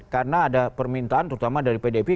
karena ada permintaan terutama dari pdp